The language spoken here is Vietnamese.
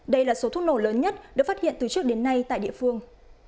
đây là số thuốc nổ lớn nhất được phát hiện từ trước đến nay tại địa phương